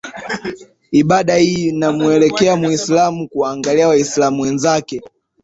ibada hii inamuelekeza muislamu kuwaangalia waislamu wenzake